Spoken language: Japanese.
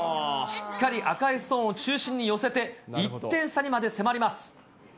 しっかり赤いストーンを中心に寄せて、１点差にまで迫ります。